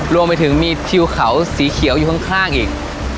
รวมไปถึงมีทิวเขาสีเขียวอยู่ข้างอีก